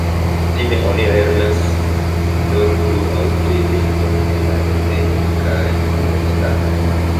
Kutime oni lernas nur du aŭ tri lingvojn en la lernejoj kaj universitatoj.